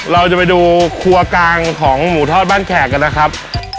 เราจะไปดูครัวกลางของหมูทอดบ้านแขกกันนะครับ